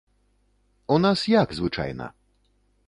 У нас як звычайна?